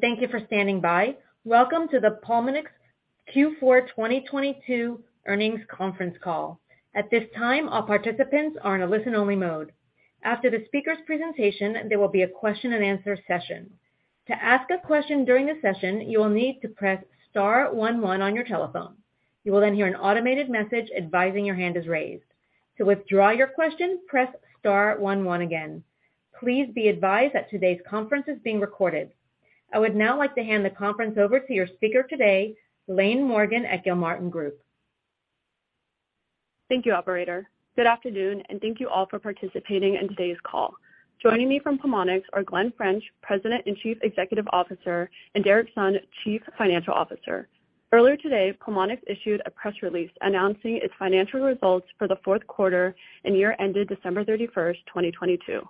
Thank you for standing by. Welcome to the Pulmonx Q4 2022 earnings conference call. At this time, all participants are in a listen-only mode. After the speaker's presentation, there will be a question-and-answer session. To ask a question during the session, you will need to press star one one on your telephone. You will then hear an automated message advising your hand is raised. To withdraw your question, press star one one again. Please be advised that today's conference is being recorded. I would now like to hand the conference over to your speaker today, Laine Morgan at Gilmartin Group. Thank you, operator. Good afternoon, thank you all for participating in today's call. Joining me from Pulmonx are Glen French, President and Chief Executive Officer, and Derrick Sung, Chief Financial Officer. Earlier today, Pulmonx issued a press release announcing its financial results for the fourth quarter and year ended December 31st, 2022.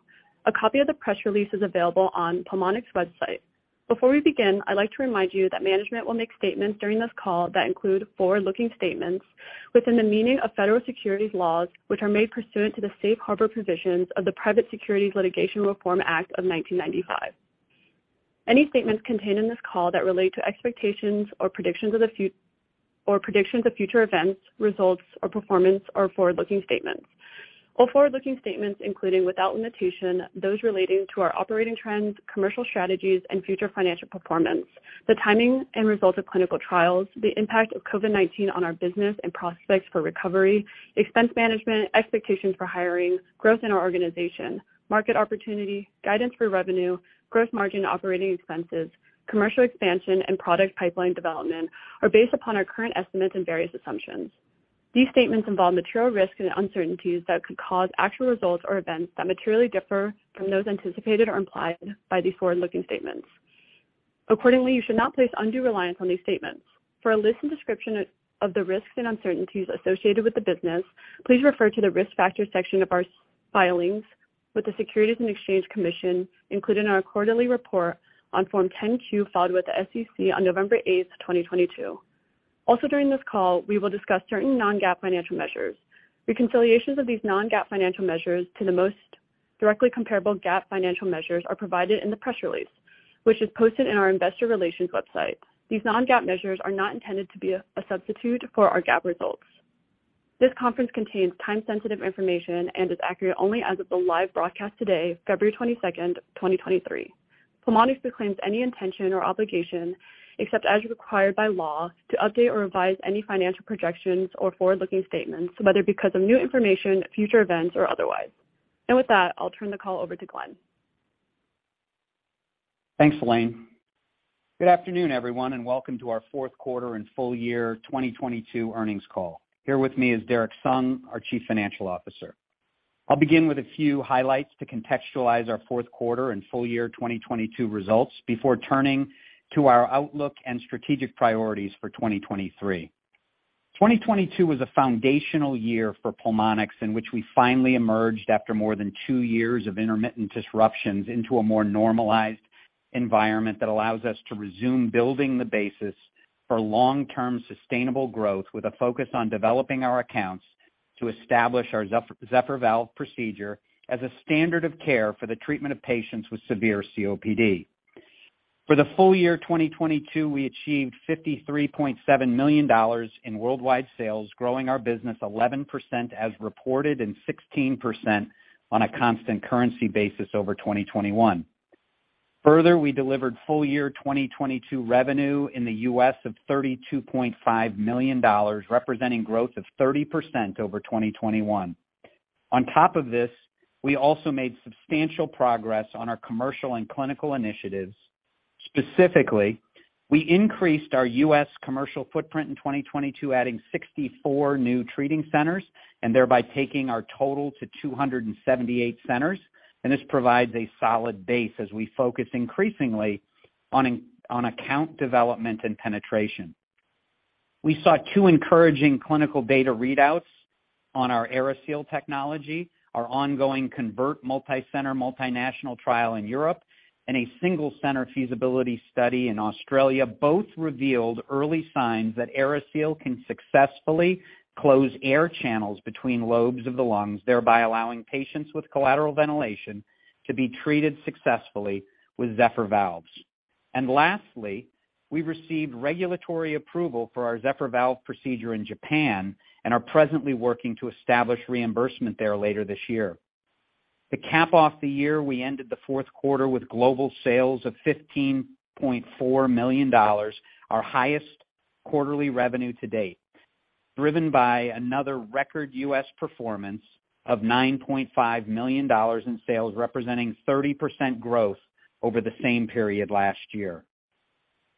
A copy of the press release is available on Pulmonx's website. Before we begin, I'd like to remind you that management will make statements during this call that include forward-looking statements within the meaning of federal securities laws, which are made pursuant to the safe harbor provisions of the Private Securities Litigation Reform Act of 1995. Any statements contained in this call that relate to expectations or predictions of future events, results, or performance are forward-looking statements. All forward-looking statements, including, without limitation, those relating to our operating trends, commercial strategies, and future financial performance, the timing and result of clinical trials, the impact of COVID-19 on our business and prospects for recovery, expense management, expectations for hiring, growth in our organization, market opportunity, guidance for revenue, gross margin, operating expenses, commercial expansion, and product pipeline development are based upon our current estimates and various assumptions. These statements involve material risks and uncertainties that could cause actual results or events that materially differ from those anticipated or implied by these forward-looking statements. Accordingly, you should not place undue reliance on these statements. For a list and description of the risks and uncertainties associated with the business, please refer to the Risk Factors section of our filings with the Securities and Exchange Commission, including our quarterly report on Form 10-Q filed with the SEC on November 8, 2022. Also during this call, we will discuss certain non-GAAP financial measures. Reconciliations of these non-GAAP financial measures to the most directly comparable GAAP financial measures are provided in the press release, which is posted in our investor relations website. These non-GAAP measures are not intended to be a substitute for our GAAP results. This conference contains time-sensitive information and is accurate only as of the live broadcast today, February 22, 2023. Pulmonx disclaims any intention or obligation, except as required by law, to update or revise any financial projections or forward-looking statements, whether because of new information, future events, or otherwise. With that, I'll turn the call over to Glen. Thanks, Laine. Good afternoon, everyone, welcome to our fourth quarter and full year 2022 earnings call. Here with me is Derrick Sung, our Chief Financial Officer. I'll begin with a few highlights to contextualize our fourth quarter and full year 2022 results before turning to our outlook and strategic priorities for 2023. 2022 was a foundational year for Pulmonx, in which we finally emerged after more than two years of intermittent disruptions into a more normalized environment that allows us to resume building the basis for long-term sustainable growth, with a focus on developing our accounts to establish our Zephyr Valve procedure as a standard of care for the treatment of patients with severe COPD. For the full year 2022, we achieved $53.7 million in worldwide sales, growing our business 11% as reported, and 16% on a constant currency basis over 2021. Further, we delivered full year 2022 revenue in the U.S. of $32.5 million, representing growth of 30% over 2021. On top of this, we also made substantial progress on our commercial and clinical initiatives. Specifically, we increased our U.S. commercial footprint in 2022, adding 64 new treating centers, and thereby taking our total to 278 centers, and this provides a solid base as we focus increasingly on account development and penetration. We saw two encouraging clinical data readouts on our AeriSeal technology. Our ongoing CONVERT multi-center, multinational trial in Europe, a single center feasibility study in Australia both revealed early signs that AeriSeal can successfully close air channels between lobes of the lungs, thereby allowing patients with collateral ventilation to be treated successfully with Zephyr Valves. Lastly, we received regulatory approval for our Zephyr Valve procedure in Japan and are presently working to establish reimbursement there later this year. To cap off the year, we ended the fourth quarter with global sales of $15.4 million, our highest quarterly revenue to date, driven by another record U.S. Performance of $9.5 million in sales, representing 30% growth over the same period last year.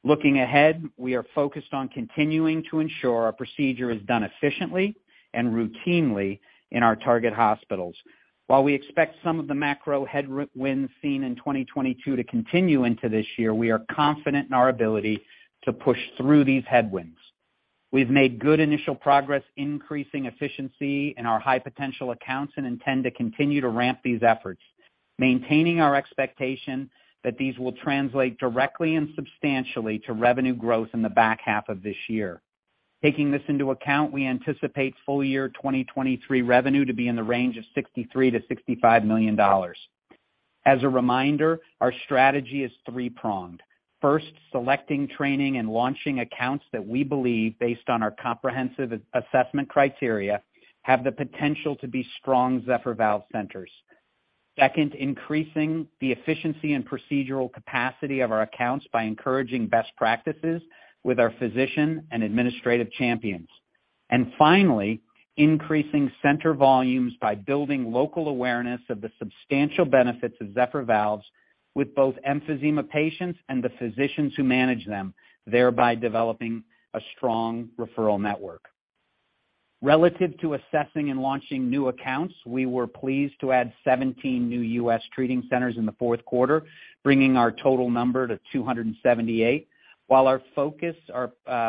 Looking ahead, we are focused on continuing to ensure our procedure is done efficiently and routinely in our target hospitals. While we expect some of the macro winds seen in 2022 to continue into this year, we are confident in our ability to push through these headwinds. We've made good initial progress increasing efficiency in our high-potential accounts and intend to continue to ramp these efforts, maintaining our expectation that these will translate directly and substantially to revenue growth in the back half of this year. Taking this into account, we anticipate full year 2023 revenue to be in the range of $63 million-$65 million. As a reminder, our strategy is three-pronged. First, selecting, training and launching accounts that we believe based on our comprehensive assessment criteria, have the potential to be strong Zephyr Valve centers. Second, increasing the efficiency and procedural capacity of our accounts by encouraging best practices with our physician and administrative champions. Finally, increasing center volumes by building local awareness of the substantial benefits of Zephyr Valve with both emphysema patients and the physicians who manage them, thereby developing a strong referral network. Relative to assessing and launching new accounts, we were pleased to add 17 new U.S. treating centers in the fourth quarter, bringing our total number to 278. While our focus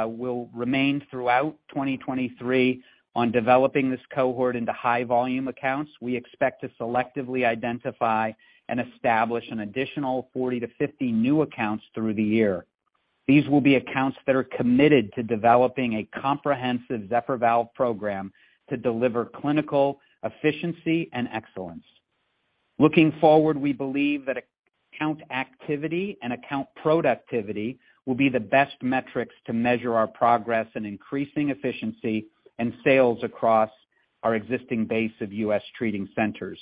will remain throughout 2023 on developing this cohort into high volume accounts, we expect to selectively identify and establish an additional 40-50 new accounts through the year. These will be accounts that are committed to developing a comprehensive Zephyr Valve program to deliver clinical efficiency and excellence. Looking forward, we believe that account activity and account productivity will be the best metrics to measure our progress in increasing efficiency and sales across our existing base of U.S. treating centers.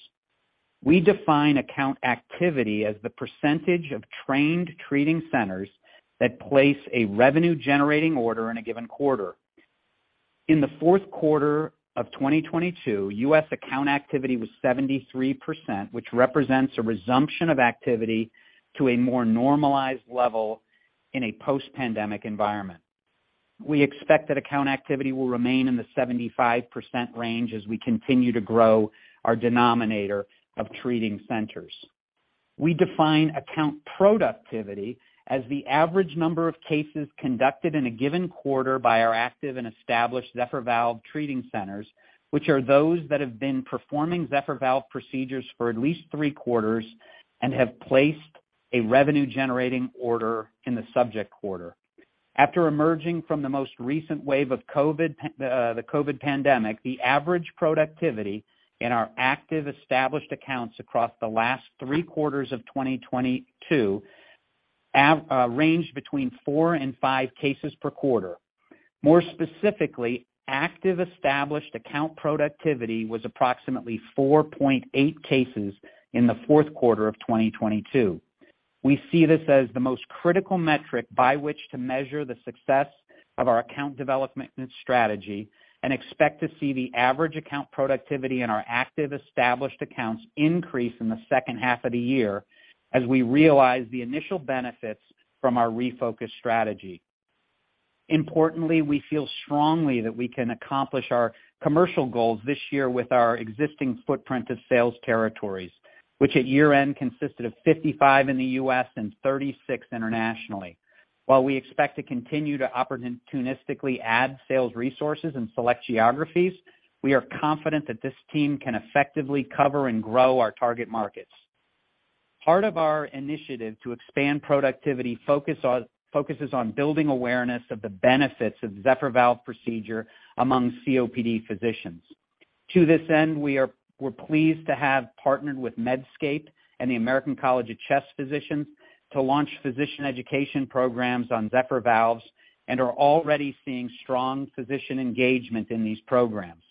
We define account activity as the percentage of trained treating centers that place a revenue-generating order in a given quarter. In the fourth quarter of 2022, U.S. account activity was 73%, which represents a resumption of activity to a more normalized level in a post-pandemic environment. We expect that account activity will remain in the 75% range as we continue to grow our denominator of treating centers. We define account productivity as the average number of cases conducted in a given quarter by our active and established Zephyr Valve treating centers, which are those that have been performing Zephyr Valve procedures for at least three quarters and have placed a revenue-generating order in the subject quarter. After emerging from the most recent wave of COVID pandemic, the average productivity in our active established accounts across the last three quarters of 2022 ranged between four and five cases per quarter. More specifically, active established account productivity was approximately 4.8 cases in the fourth quarter of 2022. We see this as the most critical metric by which to measure the success of our account development and strategy, and expect to see the average account productivity in our active established accounts increase in the second half of the year as we realize the initial benefits from our refocused strategy. Importantly, we feel strongly that we can accomplish our commercial goals this year with our existing footprint of sales territories, which at year-end consisted of 55 in the U.S. and 36 internationally. While we expect to continue to opportunistically add sales resources in select geographies, we are confident that this team can effectively cover and grow our target markets. Part of our initiative to expand productivity focuses on building awareness of the benefits of Zephyr Valve procedure among COPD physicians. To this end, we're pleased to have partnered with Medscape and the American College of Chest Physicians to launch physician education programs on Zephyr Valves and are already seeing strong physician engagement in these programs.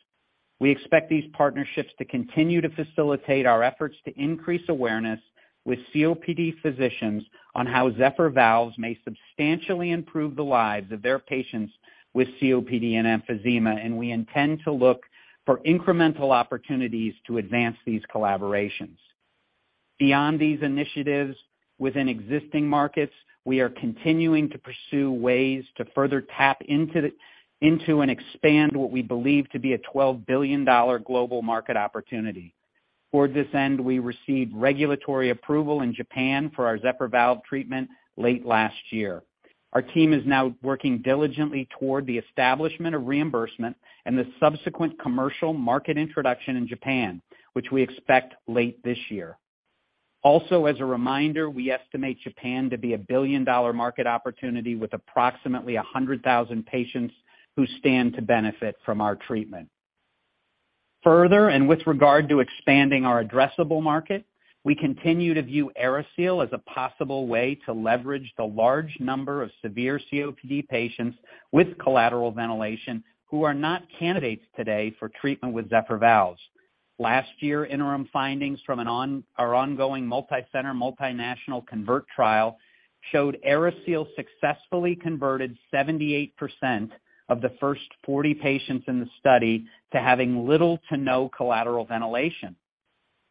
We expect these partnerships to continue to facilitate our efforts to increase awareness with COPD physicians on how Zephyr Valves may substantially improve the lives of their patients with COPD and emphysema, and we intend to look for incremental opportunities to advance these collaborations. Beyond these initiatives, within existing markets, we are continuing to pursue ways to further tap into and expand what we believe to be a $12 billion global market opportunity. Toward this end, we received regulatory approval in Japan for our Zephyr Valve treatment late last year. Our team is now working diligently toward the establishment of reimbursement and the subsequent commercial market introduction in Japan, which we expect late this year. As a reminder, we estimate Japan to be a $1 billion market opportunity with approximately 100,000 patients who stand to benefit from our treatment. Further, with regard to expanding our addressable market, we continue to view AeriSeal as a possible way to leverage the large number of severe COPD patients with collateral ventilation who are not candidates today for treatment with Zephyr Valves. Last year, interim findings from our ongoing multi-center, multinational CONVERT trial showed AeriSeal successfully converted 78% of the first 40 patients in the study to having little to no collateral ventilation.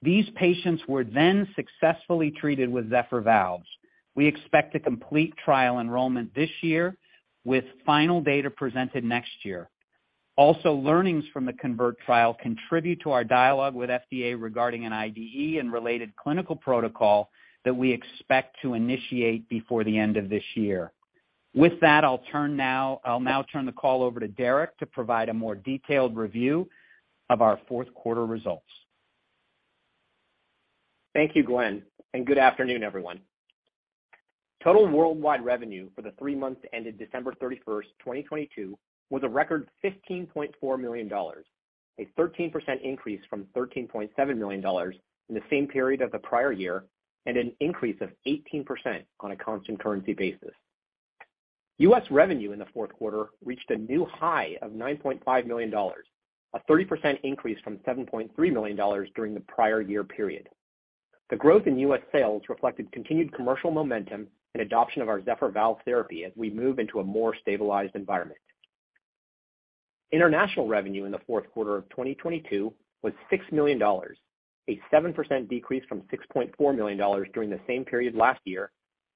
These patients were then successfully treated with Zephyr Valves. We expect to complete trial enrollment this year with final data presented next year. Also, learnings from the CONVERT trial contribute to our dialogue with FDA regarding an IDE and related clinical protocol that we expect to initiate before the end of this year. With that, I'll now turn the call over to Derrick to provide a more detailed review of our fourth quarter results. Thank you, Glenn, and good afternoon, everyone. Total worldwide revenue for the three months ended December 31st, 2022 was a record $15.4 million, a 13% increase from $13.7 million in the same period of the prior year, and an increase of 18% on a constant currency basis. U.S. revenue in the fourth quarter reached a new high of $9.5 million, a 30% increase from $7.3 million during the prior year period. The growth in U.S. sales reflected continued commercial momentum and adoption of our Zephyr Valve therapy as we move into a more stabilized environment. International revenue in the fourth quarter of 2022 was $6 million, a 7% decrease from $6.4 million during the same period last year,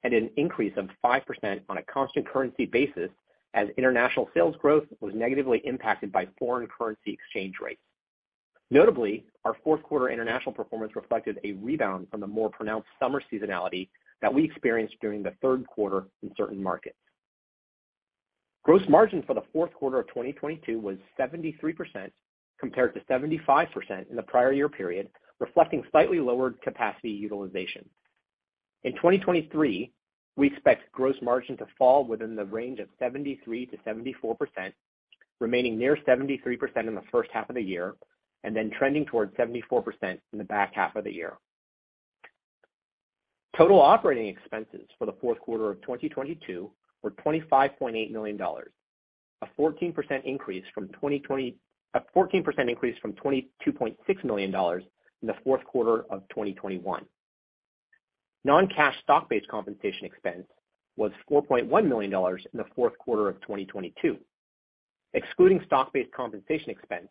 and an increase of 5% on a constant currency basis as international sales growth was negatively impacted by foreign currency exchange rates. Notably, our fourth quarter international performance reflected a rebound from the more pronounced summer seasonality that we experienced during the third quarter in certain markets. Gross margin for the fourth quarter of 2022 was 73% compared to 75% in the prior year period, reflecting slightly lower capacity utilization. In 2023, we expect gross margin to fall within the range of 73%-74%, remaining near 73% in the first half of the year and then trending towards 74% in the back half of the year. Total operating expenses for the fourth quarter of 2022 were $25.8 million, a 14% increase from $22.6 million in the fourth quarter of 2021. Non-cash stock-based compensation expense was $4.1 million in the fourth quarter of 2022. Excluding stock-based compensation expense,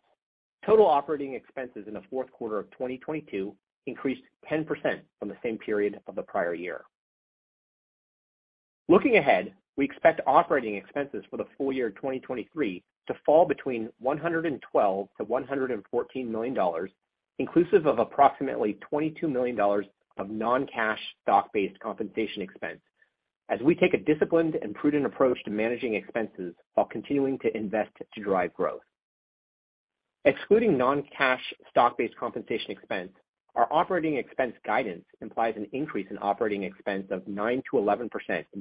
total operating expenses in the fourth quarter of 2022 increased 10% from the same period of the prior year. Looking ahead, we expect operating expenses for the full year 2023 to fall between $112 million-$114 million, inclusive of approximately $22 million of non-cash stock-based compensation expense as we take a disciplined and prudent approach to managing expenses while continuing to invest to drive growth. Excluding non-cash stock-based compensation expense, our operating expense guidance implies an increase in operating expense of 9%-11% in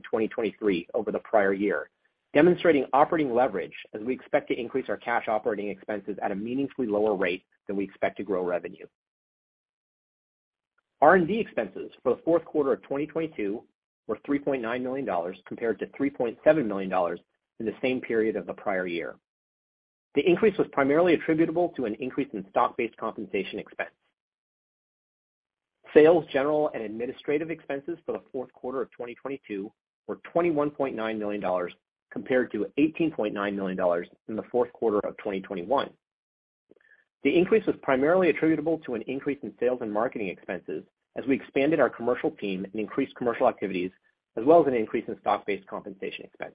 2023 over the prior year, demonstrating operating leverage as we expect to increase our cash operating expenses at a meaningfully lower rate than we expect to grow revenue. R&D expenses for the fourth quarter of 2022 were $3.9 million compared to $3.7 million in the same period of the prior year. The increase was primarily attributable to an increase in stock-based compensation expense. Sales, general and administrative expenses for the fourth quarter of 2022 were $21.9 million compared to $18.9 million in the fourth quarter of 2021. The increase was primarily attributable to an increase in sales and marketing expenses as we expanded our commercial team and increased commercial activities, as well as an increase in stock-based compensation expense.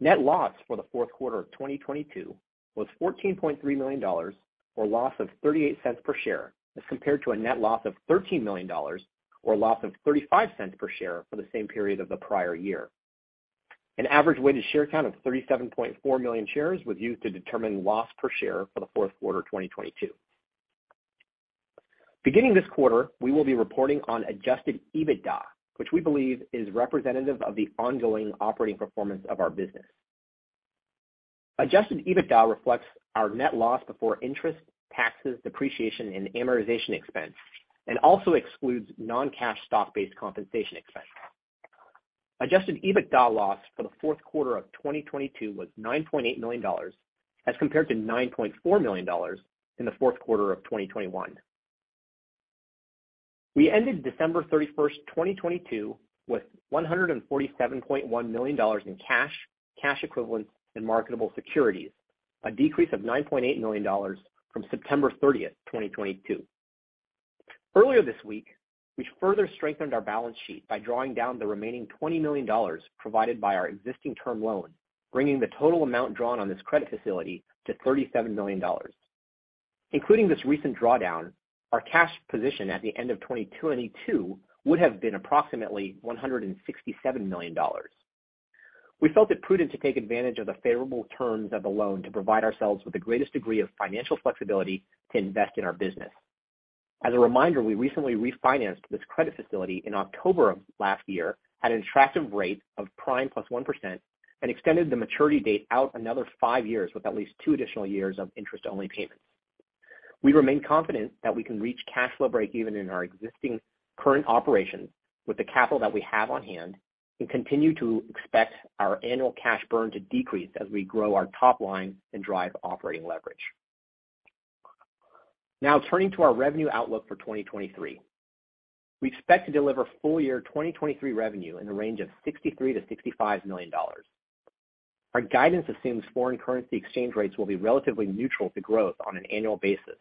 Net loss for the fourth quarter of 2022 was $14.3 million, or a loss of $0.38 per share, as compared to a net loss of $13 million or a loss of $0.35 per share for the same period of the prior year. An average weighted share count of 37.4 million shares was used to determine loss per share for the fourth quarter 2022. Beginning this quarter, we will be reporting on Adjusted EBITDA, which we believe is representative of the ongoing operating performance of our business. Adjusted EBITDA reflects our net loss before interest, taxes, depreciation, and amortization expense and also excludes non-cash stock-based compensation expense. Adjusted EBITDA loss for the fourth quarter of 2022 was $9.8 million, as compared to $9.4 million in the fourth quarter of 2021. We ended December 31st 2022 with $147.1 million in cash equivalents, and marketable securities, a decrease of $9.8 million from September 30th 2022. Earlier this week, we further strengthened our balance sheet by drawing down the remaining $20 million provided by our existing term loan, bringing the total amount drawn on this credit facility to $37 million. Including this recent drawdown, our cash position at the end of 2022 would have been approximately $167 million. We felt it prudent to take advantage of the favorable terms of the loan to provide ourselves with the greatest degree of financial flexibility to invest in our business. As a reminder, we recently refinanced this credit facility in October of last year at an attractive rate of prime plus 1% and extended the maturity date out another five years with at least two additional years of interest-only payments. We remain confident that we can reach cash flow breakeven in our existing current operations with the capital that we have on hand and continue to expect our annual cash burn to decrease as we grow our top line and drive operating leverage. Turning to our revenue outlook for 2023. We expect to deliver full year 2023 revenue in the range of $63 million-$65 million. Our guidance assumes foreign currency exchange rates will be relatively neutral to growth on an annual basis,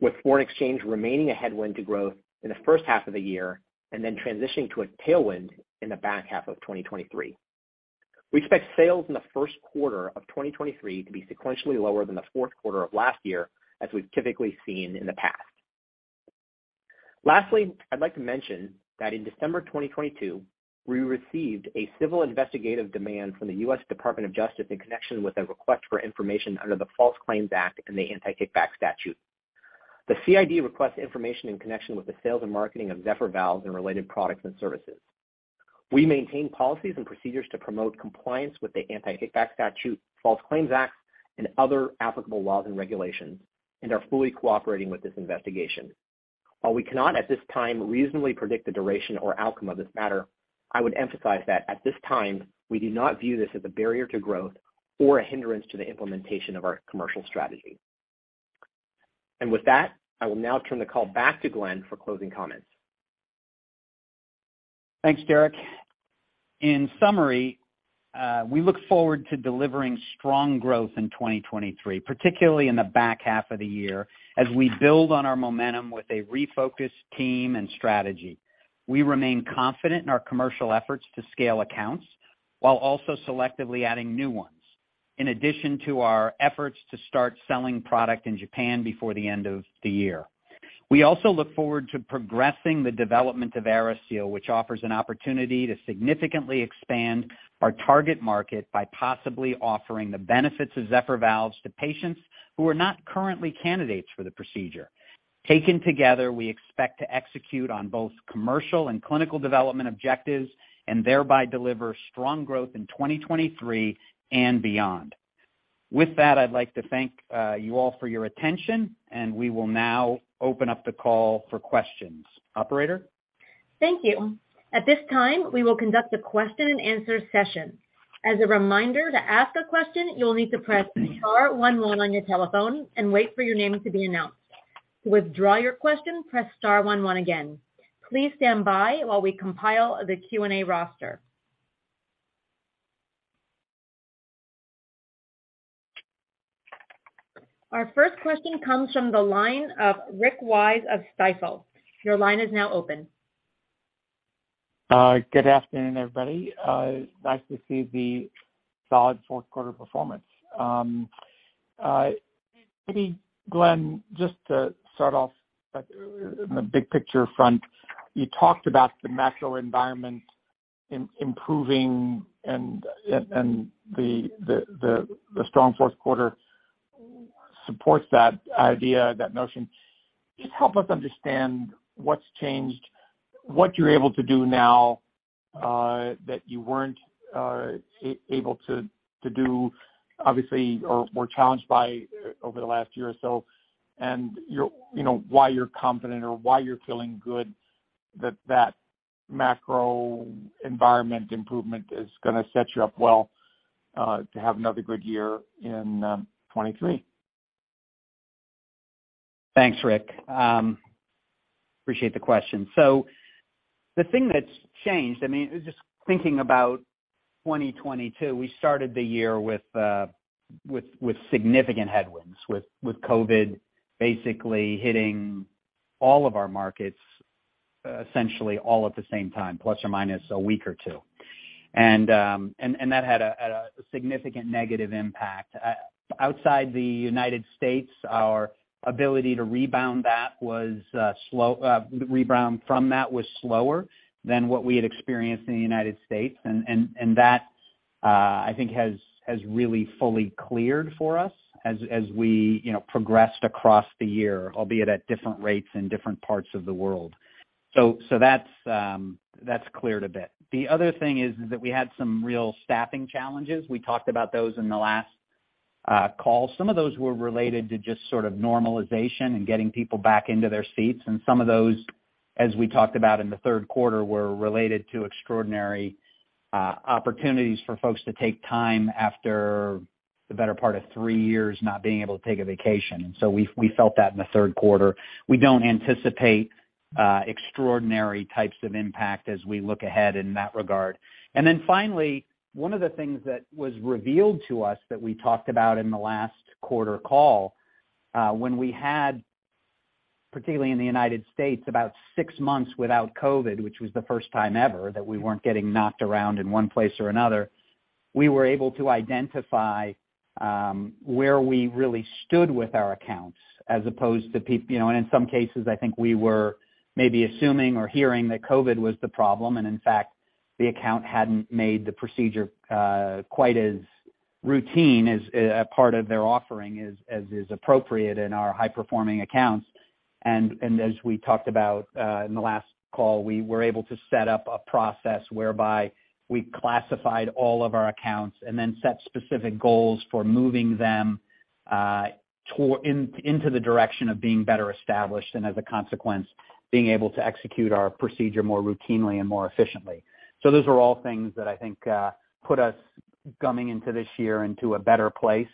with foreign exchange remaining a headwind to growth in the first half of the year and then transitioning to a tailwind in the back half of 2023. We expect sales in the first quarter of 2023 to be sequentially lower than the fourth quarter of last year, as we've typically seen in the past. Lastly, I'd like to mention that in December 2022, we received a civil investigative demand from the U.S. Department of Justice in connection with a request for information under the False Claims Act and the Anti-Kickback Statute. The CID requests information in connection with the sales and marketing of Zephyr Valves and related products and services. We maintain policies and procedures to promote compliance with the Anti-Kickback Statute, False Claims Act, and other applicable laws and regulations, and are fully cooperating with this investigation. While we cannot at this time reasonably predict the duration or outcome of this matter, I would emphasize that at this time, we do not view this as a barrier to growth or a hindrance to the implementation of our commercial strategy. With that, I will now turn the call back to Glen for closing comments. Thanks, Derrick. In summary, we look forward to delivering strong growth in 2023, particularly in the back half of the year as we build on our momentum with a refocused team and strategy. We remain confident in our commercial efforts to scale accounts while also selectively adding new ones, in addition to our efforts to start selling product in Japan before the end of the year. We also look forward to progressing the development of AeriSeal, which offers an opportunity to significantly expand our target market by possibly offering the benefits of Zephyr Valves to patients who are not currently candidates for the procedure. Taken together, we expect to execute on both commercial and clinical development objectives and thereby deliver strong growth in 2023 and beyond. With that, I'd like to thank you all for your attention, and we will now open up the call for questions. Operator? Thank you. At this time, we will conduct a question and answer session. As a reminder, to ask a question, you will need to press star one one on your telephone and wait for your name to be announced. To withdraw your question, press star one one again. Please stand by while we compile the Q&A roster. Our first question comes from the line of Rick Wise of Stifel. Your line is now open. Good afternoon, everybody. Nice to see the solid fourth quarter performance. Maybe Glen, just to start off, like, in the big picture front, you talked about the macro environment improving and the strong fourth quarter supports that idea, that notion. Just help us understand what's changed, what you're able to do now, that you weren't able to do obviously or were challenged by over the last year or so, and you know, why you're confident or why you're feeling good that that macro environment improvement is gonna set you up well, to have another good year in 23. Thanks, Rick. Appreciate the question. The thing that's changed, I mean, just thinking about 2022, we started the year with significant headwinds, with COVID basically hitting all of our markets, essentially all at the same time, plus or minus a week or two. That had a significant negative impact. Outside the United States, our ability to rebound from that was slower than what we had experienced in the United States. That, I think has really fully cleared for us as we, you know, progressed across the year, albeit at different rates in different parts of the world. That's cleared a bit. The other thing is that we had some real staffing challenges. We talked about those in the last call. Some of those were related to just sort of normalization and getting people back into their seats. Some of those, as we talked about in the third quarter, were related to extraordinary opportunities for folks to take time after the better part of three years not being able to take a vacation. We, we felt that in the third quarter. We don't anticipate extraordinary types of impact as we look ahead in that regard. Finally, one of the things that was revealed to us that we talked about in the last quarter call, when we had, particularly in the United States, about six months without COVID, which was the first time ever that we weren't getting knocked around in one place or another, we were able to identify, where we really stood with our accounts as opposed to you know, and in some cases, I think we were maybe assuming or hearing that COVID was the problem, and in fact, the account hadn't made the procedure, quite as routine as a part of their offering as is appropriate in our high-performing accounts. As we talked about in the last call, we were able to set up a process whereby we classified all of our accounts and then set specific goals for moving them into the direction of being better established and as a consequence, being able to execute our procedure more routinely and more efficiently. Those are all things that I think put us coming into this year into a better place,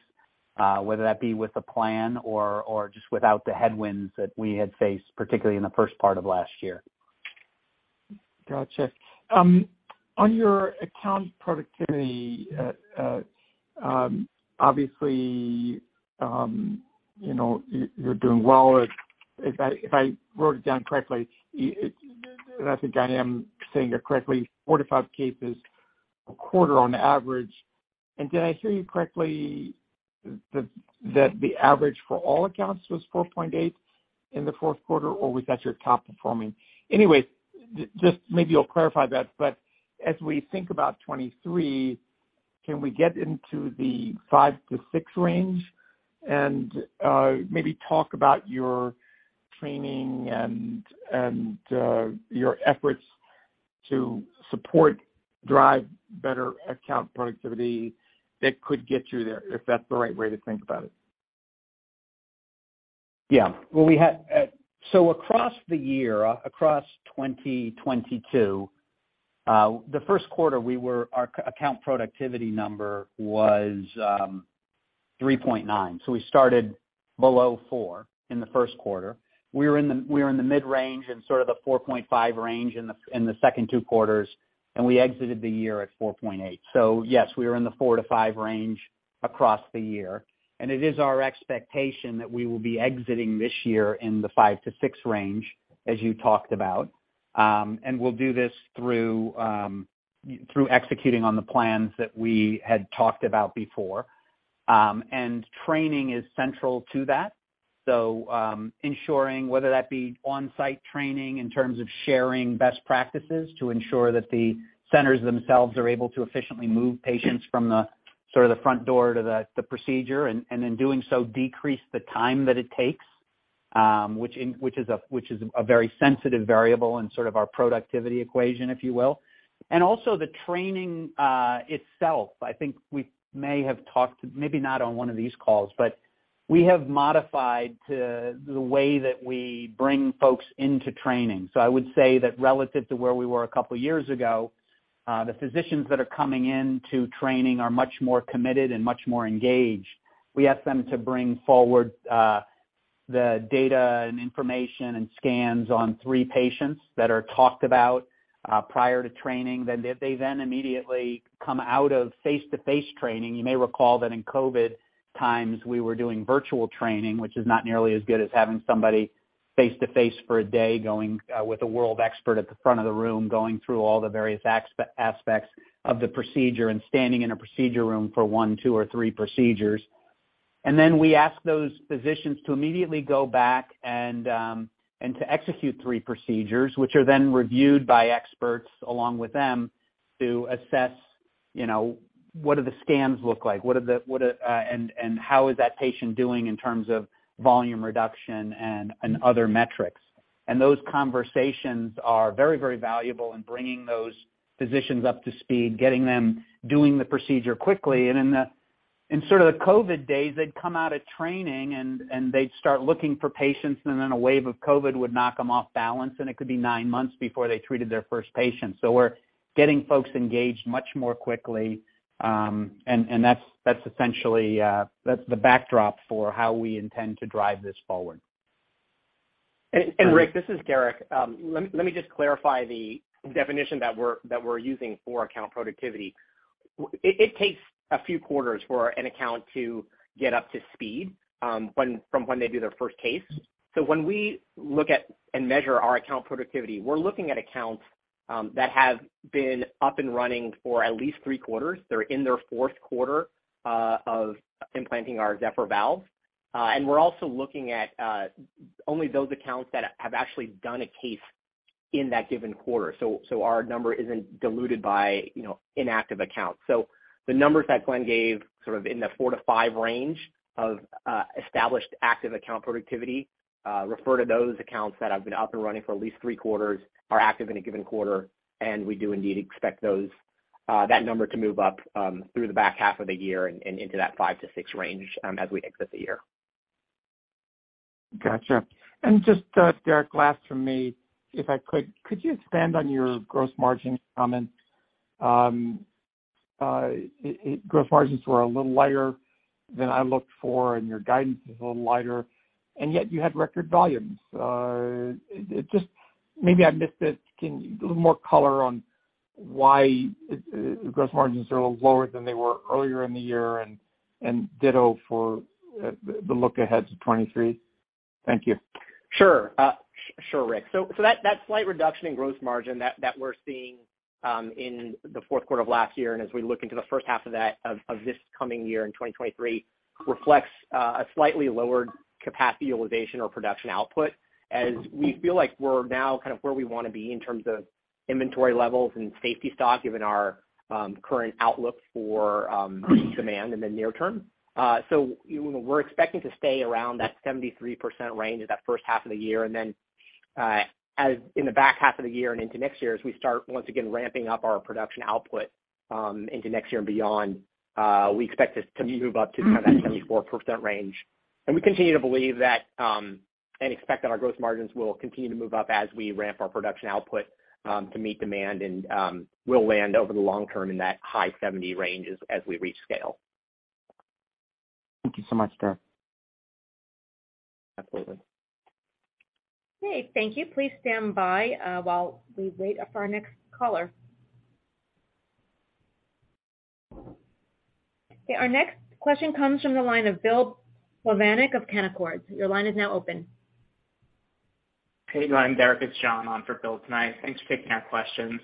whether that be with the plan or just without the headwinds that we had faced, particularly in the first part of last year. Gotcha. On your account productivity, obviously, you know, you're doing well. If I, if I wrote it down correctly, and I think I am saying it correctly, 45 cases a quarter on average. Did I hear you correctly that the average for all accounts was 4.8 in the fourth quarter, or was that your top performing? Anyway, maybe you'll clarify that, but as we think about 2023, can we get into the five-six range? Maybe talk about your training and your efforts to support drive better account productivity that could get you there, if that's the right way to think about it. Well, we had across the year, across 2022, the first quarter, our account productivity number was 3.9. We started below four in the first quarter. We were in the mid-range in sort of the 4.5 range in the second two quarters, and we exited the year at 4.8. Yes, we were in the four to five range across the year. It is our expectation that we will be exiting this year in the five to six range, as you talked about. We'll do this through executing on the plans that we had talked about before. Training is central to that. Ensuring whether that be on-site training in terms of sharing best practices to ensure that the centers themselves are able to efficiently move patients from the sort of the front door to the procedure, and in doing so, decrease the time that it takes, which is a very sensitive variable in sort of our productivity equation, if you will. Also the training itself. I think we may have talked, maybe not on one of these calls, but we have modified the way that we bring folks into training. I would say that relative to where we were a couple of years ago, the physicians that are coming in to training are much more committed and much more engaged. We ask them to bring forward the data and information and scans on three patients that are talked about prior to training. They then immediately come out of face-to-face training. You may recall that in COVID times, we were doing virtual training, which is not nearly as good as having somebody face-to-face for a day, going with a world expert at the front of the room, going through all the various aspects of the procedure and standing in a procedure room for one, two or three procedures. We ask those physicians to immediately go back and to execute three procedures, which are then reviewed by experts along with them to assess, you know, what do the scans look like, what are the, and how is that patient doing in terms of volume reduction and other metrics. Those conversations are very, very valuable in bringing those physicians up to speed, getting them doing the procedure quickly. In sort of the COVID days, they'd come out of training and they'd start looking for patients, and then a wave of COVID would knock them off balance, and it could be 9 months before they treated their first patient. We're getting folks engaged much more quickly, and that's essentially the backdrop for how we intend to drive this forward. Rick Wise, this is Derrick Sung. Let me just clarify the definition that we're using for account productivity. It takes a few quarters for an account to get up to speed, when, from when they do their first case. When we look at and measure our account productivity, we're looking at accounts that have been up and running for at least three quarters. They're in their fourth quarter of implanting our Zephyr Valve. We're also looking at only those accounts that have actually done a case in that given quarter. Our number isn't diluted by, you know, inactive accounts. The numbers that Glen gave, sort of in the four to five range of established active account productivity, refer to those accounts that have been up and running for at least three quarters, are active in a given quarter, and we do indeed expect those, that number to move up through the back half of the year and into that five to six range as we exit the year. Gotcha. Just, Derrick, last from me, if I could you expand on your gross margin comments? Gross margins were a little lighter than I looked for, and your guidance is a little lighter, and yet you had record volumes. Maybe I missed it. Can you a little more color on why gross margins are a little lower than they were earlier in the year, and ditto for the look ahead to 23. Thank you. Sure, Rick. That slight reduction in gross margin that we're seeing in the fourth quarter of last year, and as we look into the first half of this coming year in 2023, reflects a slightly lower capacity utilization or production output as we feel like we're now kind of where we wanna be in terms of inventory levels and safety stock, given our current outlook for demand in the near term. We're expecting to stay around that 73% range in that first half of the year. As in the back half of the year and into next year, as we start once again ramping up our production output, into next year and beyond, we expect to move up to kind of that 74% range. We continue to believe that, and expect that our gross margins will continue to move up as we ramp our production output, to meet demand and, will land over the long term in that high-70 ranges as we reach scale. Thank you so much, Derrick. Absolutely. Okay, thank you. Please stand by while we wait up for our next caller. Okay. Our next question comes from the line of Bill Plovanic of Canaccord. Your line is now open. Hey, Glen, Derrick, it's John on for Bill tonight. Thanks for taking our questions.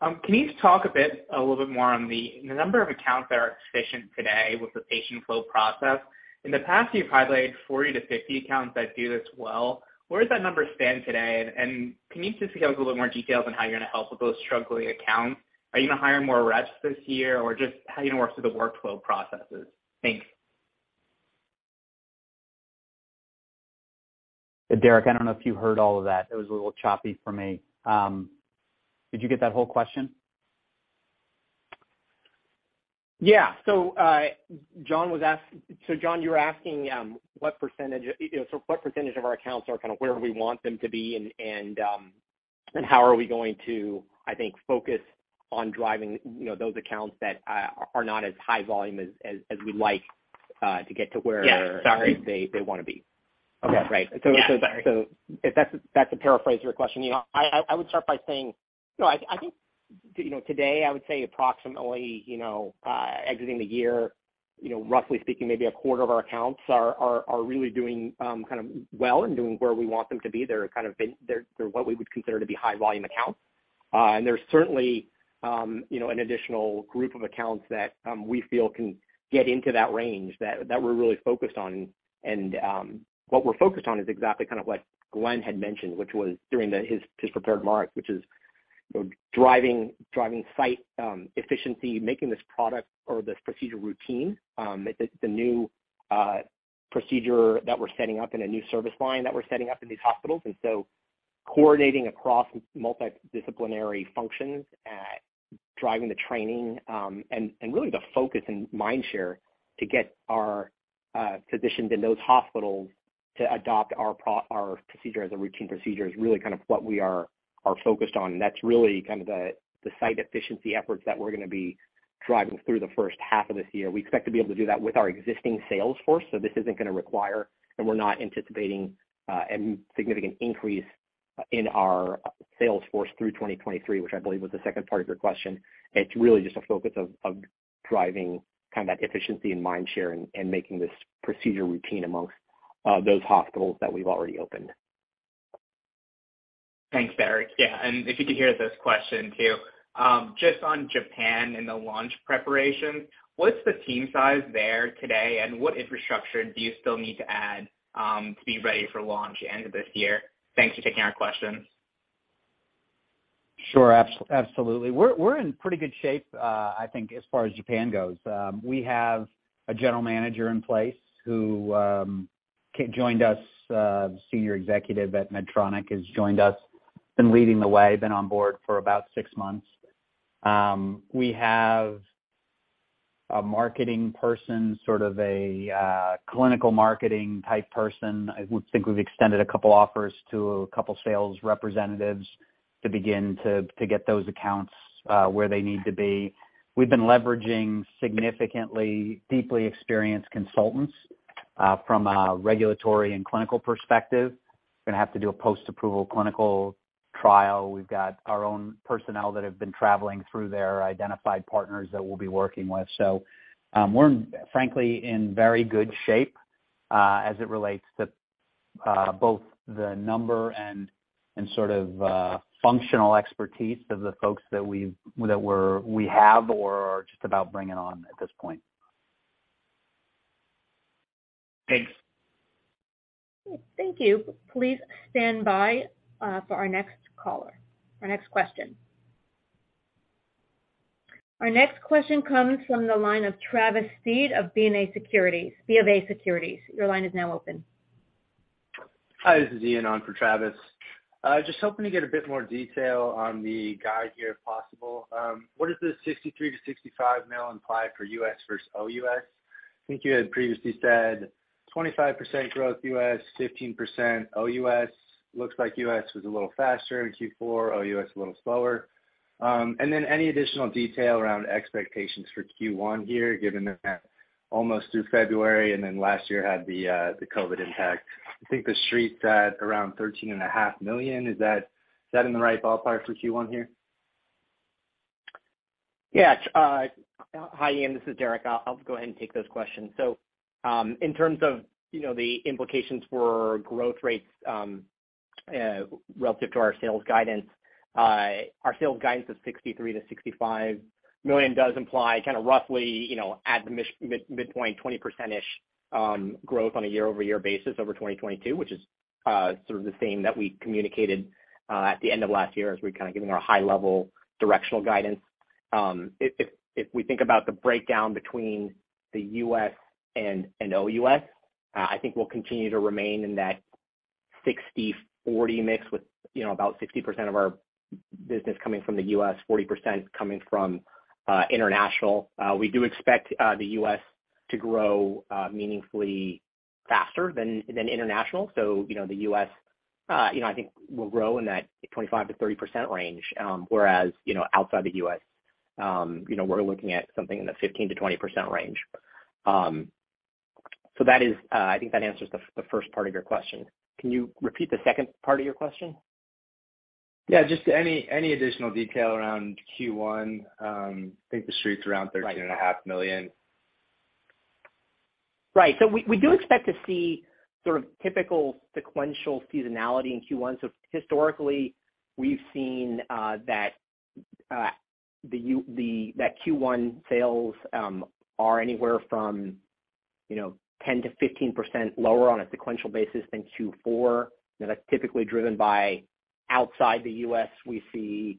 Can you talk a little bit more on the number of accounts that are efficient today with the patient flow process? In the past, you've highlighted 40-50 accounts that do this well. Where does that number stand today? Can you just give us a little more details on how you're gonna help with those struggling accounts? Are you gonna hire more reps this year or just how you gonna work through the workflow processes? Thanks. Derrick, I don't know if you heard all of that. It was a little choppy for me. Did you get that whole question? Yeah. John, you're asking, what percentage, you know, so what percentage of our accounts are kind of where we want them to be and how are we going to, I think, focus on driving, you know, those accounts that are not as high volume as we'd like, to get to where- Yeah, sorry. they wanna be. Okay. Right. Yeah, sorry. If that's to paraphrase your question. You know, I, I would start by saying, you know, I think, you know, today, I would say approximately, you know, exiting the year, you know, roughly speaking, maybe a quarter of our accounts are really doing kind of well and doing where we want them to be. They're, they're what we would consider to be high volume accounts. There's certainly, you know, an additional group of accounts that we feel can get into that range that we're really focused on. What we're focused on is exactly kind of what Glen had mentioned, which was during his prepared remarks, which is, you know, driving site, efficiency, making this product or this procedure routine. It, it's a new procedure that we're setting up and a new service line that we're setting up in these hospitals. Coordinating across multidisciplinary functions at driving the training, and really the focus and mind share to get our physicians in those hospitals to adopt our procedure as a routine procedure is really kind of what we are focused on. That's really kind of the site efficiency efforts that we're gonna be driving through the first half of this year. We expect to be able to do that with our existing sales force. This isn't gonna require, and we're not anticipating, a significant increase in our sales force through 2023, which I believe was the second part of your question. It's really just a focus of driving kind of that efficiency and mind share and making this procedure routine amongst those hospitals that we've already opened. Thanks, Derrick. If you could hear this question too, just on Japan and the launch preparation, what's the team size there today, and what infrastructure do you still need to add to be ready for launch end of this year? Thanks for taking our questions. Sure, absolutely. We're in pretty good shape, I think, as far as Japan goes. We have a general manager in place who joined us, senior executive at Medtronic has joined us, been leading the way, been on board for about six months. We have a marketing person, sort of a clinical marketing type person. I think we've extended a couple offers to a couple sales representatives to begin to get those accounts where they need to be. We've been leveraging significantly deeply experienced consultants from a regulatory and clinical perspective. We're gonna have to do a post-approval clinical trial. We've got our own personnel that have been traveling through their identified partners that we'll be working with. We're frankly in very good shape, as it relates to, both the number and sort of, functional expertise of the folks that we have or are just about bringing on at this point. Thanks. Thank you. Please stand by for our next caller, or next question. Our next question comes from the line of Travis Steed of BofA Securities. Your line is now open. Hi, this is Ian on for Travis. Just hoping to get a bit more detail on the guide here, if possible. What does the $63 million-$65 million imply for US versus OUS? I think you had previously said 25% growth U.S., 15% OUS. Looks like U.S. was a little faster in Q4, OUS a little slower. Any additional detail around expectations for Q1 here, given that almost through February last year had the COVID impact. I think the Street's at around $13.5 million. Is that in the right ballpark for Q1 here? Hi, Ian, this is Derrick. I'll go ahead and take those questions. In terms of, you know, the implications for growth rates relative to our sales guidance, our sales guidance of $63 million-$65 million does imply kind of roughly, you know, at the midpoint, 20%-ish growth on a year-over-year basis over 2022, which is sort of the same that we communicated at the end of last year as we're kind of giving our high level directional guidance. If we think about the breakdown between the U.S. and OUS, I think we'll continue to remain in that 60-40 mix with, you know, about 60% of our business coming from the U.S., 40% coming from international. We do expect the US to grow meaningfully faster than international. You know, the U.S., you know, I think will grow in that 25%-30% range, whereas, you know, outside the U.S., you know, we're looking at something in the 15%-20% range. That is, I think that answers the first part of your question. Can you repeat the second part of your question? Yeah, just any additional detail around Q1. I think the street's. Right $thirteen and a half million. Right. We do expect to see sort of typical sequential seasonality in Q1. Historically, we've seen that Q1 sales are anywhere from, you know, 10%-15% lower on a sequential basis than Q4. That's typically driven by outside the U.S. We see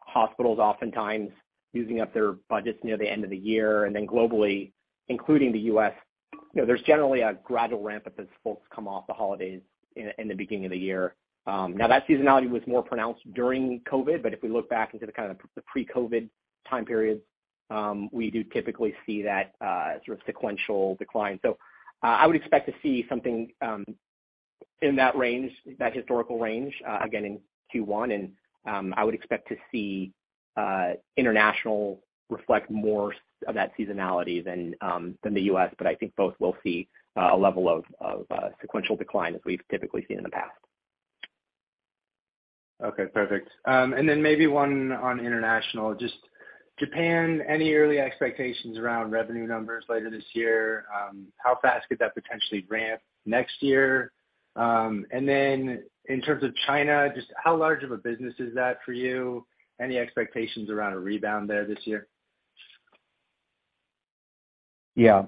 hospitals oftentimes using up their budgets near the end of the year. Globally, including the U.S., you know, there's generally a gradual ramp-up as folks come off the holidays in the beginning of the year. Now that seasonality was more pronounced during COVID, if we look back into the kind of the pre-COVID time period, we do typically see that sort of sequential decline. I would expect to see something in that range, that historical range, again in Q1. I would expect to see international reflect more of that seasonality than the U.S. I think both will see a level of sequential decline as we've typically seen in the past. Okay. Perfect. Maybe one on international. Just Japan, any early expectations around revenue numbers later this year? How fast could that potentially ramp next year? In terms of China, just how large of a business is that for you? Any expectations around a rebound there this year? Yeah.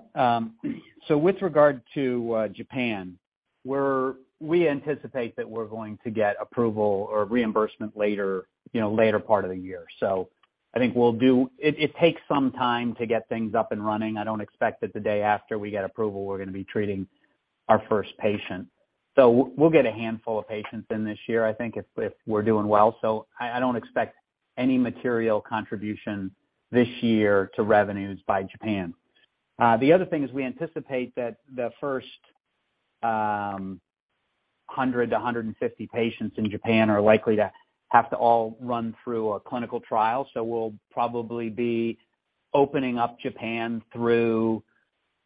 With regard to Japan, we anticipate that we're going to get approval or reimbursement later, you know, later part of the year. I think it takes some time to get things up and running. I don't expect that the day after we get approval, we're gonna be treating our first patient. We'll get a handful of patients in this year, I think, if we're doing well. I don't expect any material contribution this year to revenues by Japan. The other thing is we anticipate that the first 100-150 patients in Japan are likely to have to all run through a clinical trial. We'll probably be opening up Japan through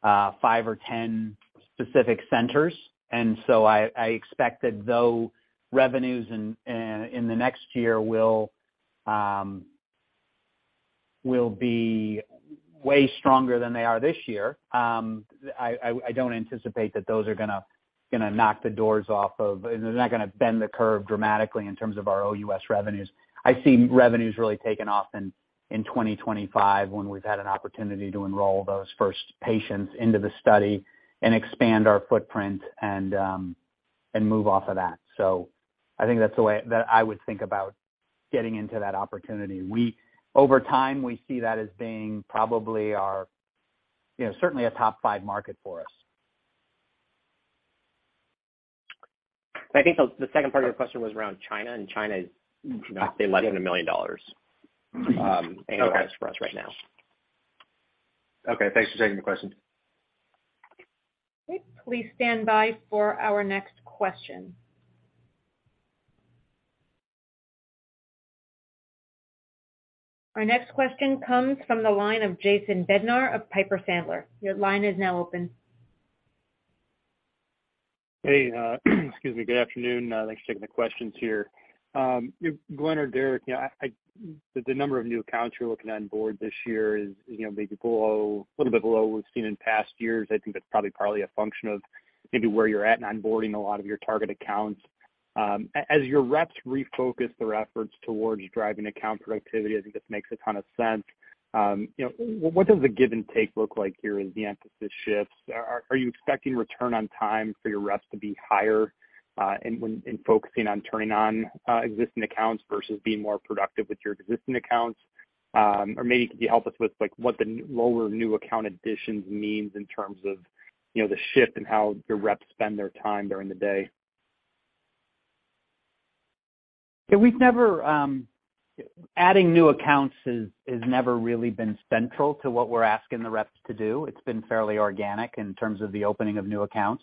five or 10 specific centers. I expect that though revenues in the next year will be way stronger than they are this year, I don't anticipate that those are gonna knock the doors off of. They're not gonna bend the curve dramatically in terms of our OUS revenues. I see revenues really taking off in 2025 when we've had an opportunity to enroll those first patients into the study and expand our footprint and move off of that. I think that's the way that I would think about getting into that opportunity. Over time, we see that as being probably our, you know, certainly a top five market for us. I think the second part of your question was around China. China is, you know, less than $1 million in revenue for us right now. Okay. Thanks for taking the question. Please stand by for our next question. Our next question comes from the line of Jason Bednar of Piper Sandler. Your line is now open. Hey, excuse me, good afternoon. Thanks for taking the questions here. Glen or Derrick, you know, I, the number of new accounts you're looking to onboard this year is, you know, maybe below, a little bit below what we've seen in past years. I think that's probably partly a function of maybe where you're at in onboarding a lot of your target accounts. As your reps refocus their efforts towards driving account productivity, I think this makes a ton of sense. You know, what does the give and take look like here as the emphasis shifts? Are you expecting return on time for your reps to be higher in focusing on turning on existing accounts versus being more productive with your existing accounts? Maybe could you help us with, like, what the lower new account additions means in terms of, you know, the shift in how your reps spend their time during the day? Yeah, adding new accounts has never really been central to what we're asking the reps to do. It's been fairly organic in terms of the opening of new accounts.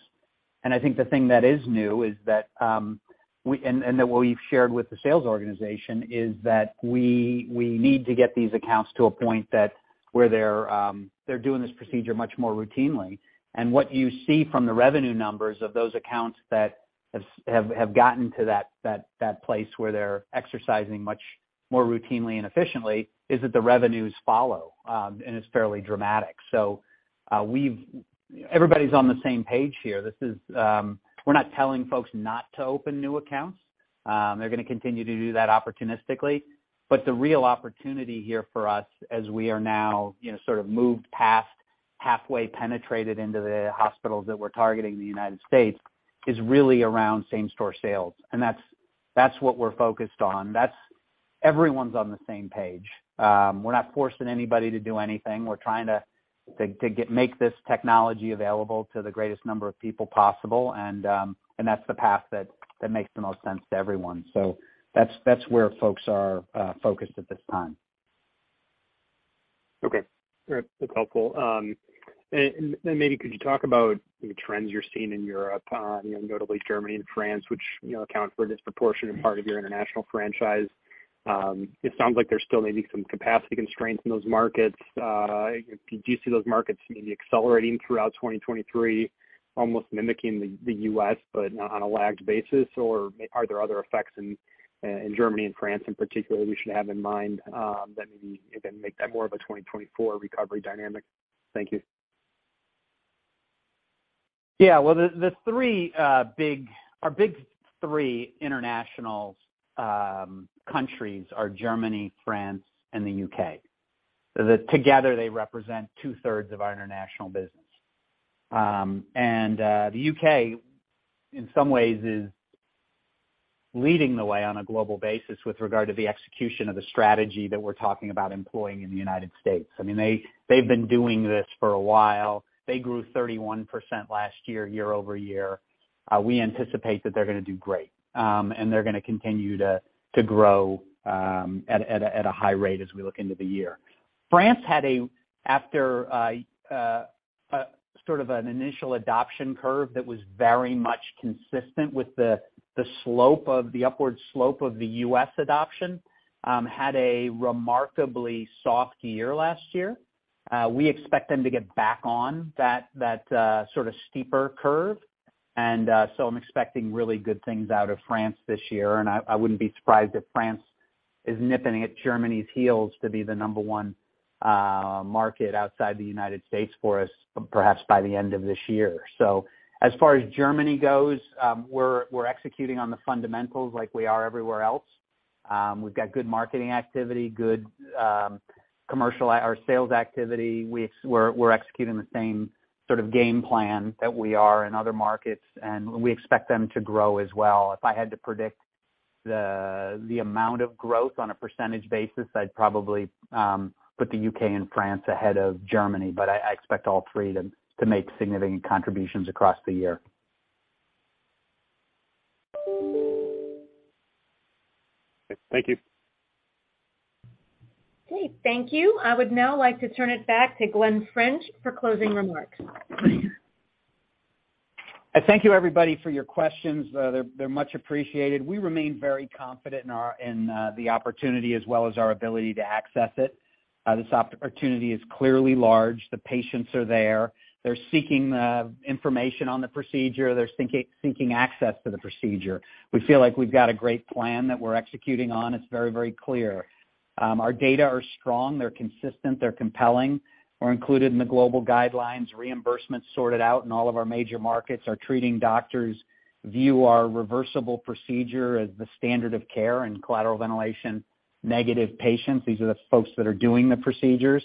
I think the thing that is new is that what we've shared with the sales organization is that we need to get these accounts to a point that where they're doing this procedure much more routinely. What you see from the revenue numbers of those accounts that have gotten to that place where they're exercising much more routinely and efficiently, is that the revenues follow, and it's fairly dramatic. Everybody's on the same page here. We're not telling folks not to open new accounts. They're gonna continue to do that opportunistically. The real opportunity here for us, as we are now, you know, sort of moved past halfway penetrated into the hospitals that we're targeting in the United States, is really around same store sales. That's what we're focused on. That's everyone's on the same page. We're not forcing anybody to do anything. We're trying to make this technology available to the greatest number of people possible. That's the path that makes the most sense to everyone. That's where folks are focused at this time. Okay. Great. That's helpful. Then maybe could you talk about the trends you're seeing in Europe, you know, notably Germany and France, which, you know, account for a disproportionate part of your international franchise? It sounds like there's still maybe some capacity constraints in those markets. Do you see those markets maybe accelerating throughout 2023, almost mimicking the U.S. but on a lagged basis? Are there other effects in Germany and France in particular we should have in mind, that maybe even make that more of a 2024 recovery dynamic? Thank you. Yeah. Well, the three, our big three international countries are Germany, France, and the U.K. Together they represent 2/3 of our international business. The U.K. in some ways is leading the way on a global basis with regard to the execution of the strategy that we're talking about employing in the United States. I mean, they've been doing this for a while. They grew 31% last year year-over-year. We anticipate that they're gonna do great, and they're gonna continue to grow at a high rate as we look into the year. France had after a sort of an initial adoption curve that was very much consistent with the slope of the upward slope of the U.S. adoption, had a remarkably soft year last year. We expect them to get back on that sort of steeper curve. I'm expecting really good things out of France this year, and I wouldn't be surprised if France is nipping at Germany's heels to be the number 1 market outside the United States for us, perhaps by the end of this year. As far as Germany goes, we're executing on the fundamentals like we are everywhere else. We've got good marketing activity, good commercial or sales activity. We're executing the same sort of game plan that we are in other markets, and we expect them to grow as well. If I had to predict the amount of growth on a percentage basis, I'd probably put the UK and France ahead of Germany, but I expect all three to make significant contributions across the year. Thank you. Thank you. I would now like to turn it back to Glen French for closing remarks. I thank you everybody for your questions. They're much appreciated. We remain very confident in the opportunity as well as our ability to access it. This opportunity is clearly large. The patients are there. They're seeking information on the procedure. They're seeking access to the procedure. We feel like we've got a great plan that we're executing on. It's very clear. Our data are strong, they're consistent, they're compelling. We're included in the global guidelines, reimbursements sorted out in all of our major markets. Our treating doctors view our reversible procedure as the standard of care in collateral ventilation negative patients. These are the folks that are doing the procedures.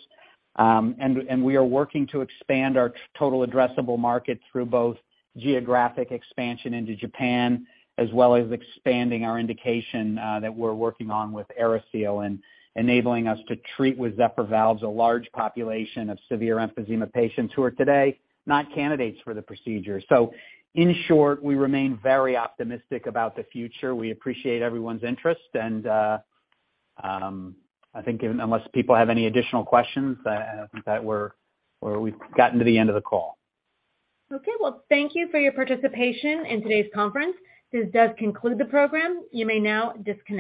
We are working to expand our total addressable market through both geographic expansion into Japan, as well as expanding our indication that we're working on with AeriSeal and enabling us to treat with Zephyr Valve, a large population of severe emphysema patients who are today not candidates for the procedure. In short, we remain very optimistic about the future. We appreciate everyone's interest. I think unless people have any additional questions, I think that we've gotten to the end of the call. Okay. Well, thank you for your participation in today's conference. This does conclude the program. You may now disconnect.